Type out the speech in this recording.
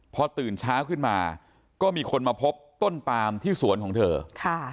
พอตื่นเช้าขึ้นมาก็มีคนมาพบต้นปามที่สวนของเธอค่ะ